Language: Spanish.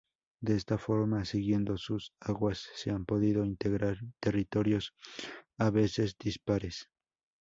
De esta forma, siguiendo sus aguas se han podido integrar territorios, a veces dispares.